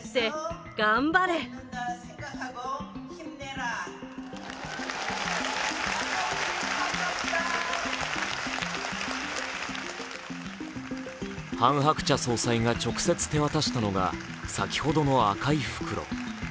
更にハン・ハクチャ総裁が直接手渡したのが先ほどの赤い袋。